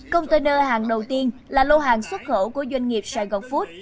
container hàng đầu tiên là lô hàng xuất khẩu của doanh nghiệp saigon food